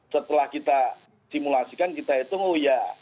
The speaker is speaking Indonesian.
setelah kita simulasikan kita hitung oh ya